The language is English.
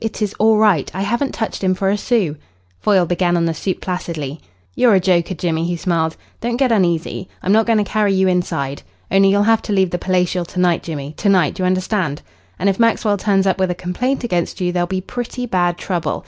"It is all right. I haven't touched him for a sou." Foyle began on the soup placidly. "You're a joker, Jimmy," he smiled. "Don't get uneasy. I'm not going to carry you inside. Only you'll have to leave the Palatial to night, Jimmy to night, do you understand? And if Maxwell turns up with a complaint against you there'll be pretty bad trouble.